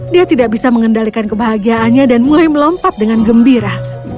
dia tidak bisa mengendalikan kebahagiaannya dan mulai melompat dengan gembira